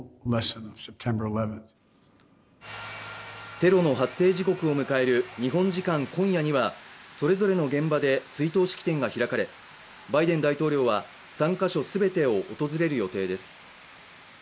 テロの発生時刻を迎える日本時間今夜にはそれぞれの現場で追悼式典が開かれバイデン大統領は３カ所全てを訪れる予定です。